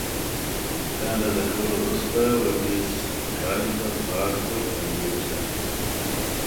د اندازه کولو وروسته ورنیز کالیپر پاک او خوندي وساتئ.